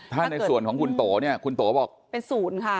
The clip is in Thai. ถ้าในส่วนของคุณโตเนี่ยคุณโตบอกเป็นศูนย์ค่ะ